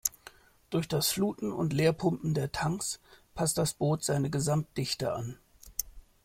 Durch das Fluten und Leerpumpen der Tanks passt das Boot seine Gesamtdichte an.